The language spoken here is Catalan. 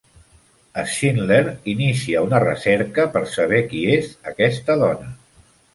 Schindler inicia una recerca per saber qui és aquesta dona.